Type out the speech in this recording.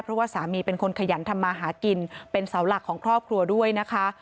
เพราะว่าสามีเป็นคนขยันทำมาหากินเป็นเสาหลักของครอบครัวด้วยนะคะ